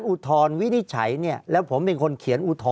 ภารกิจสรรค์ภารกิจสรรค์